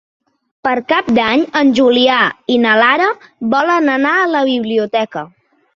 Per Cap d'Any en Julià i na Lara volen anar a la biblioteca.